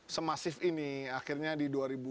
semasif ini akhirnya di